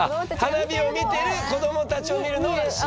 花火を見てる子どもたちを見るのは幸せ。